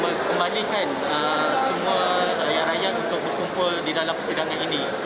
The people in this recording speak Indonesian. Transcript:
mengembalikan semua rakyat rakyat untuk berkumpul di dalam persidangan ini